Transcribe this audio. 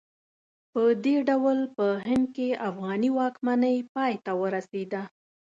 په دې ډول په هند کې افغاني واکمنۍ پای ته ورسېده.